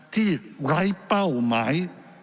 ที่ไร้เป้าหมาย